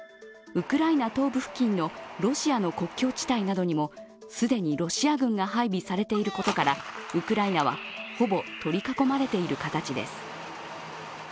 ウクライナ東部付近のロシアの国境地帯などにも既にロシア軍が配備されていることから、ウクライナはほぼ取り囲まれている形です。